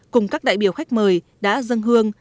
cùng các đại biểu khách mời đã dâng hương